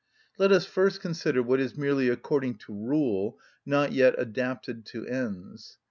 Let us first consider what is merely according to rule, not yet adapted to ends.